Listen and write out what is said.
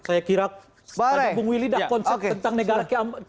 saya kira bang willy dah konsep tentang negara keamanan